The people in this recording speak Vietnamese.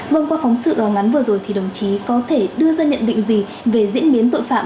vâng qua phóng sự ngắn vừa rồi thì đồng chí có thể đưa ra nhận định gì về diễn biến tội phạm